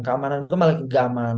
keamanan gue malah gak aman